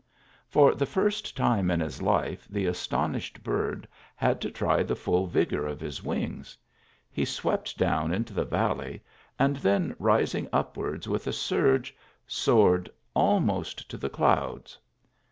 For the first time in his life the astonished bird had to try the full vigour of his wings. He swept down into the valley, and then rising upwards with a surge, soared almost to the clouds.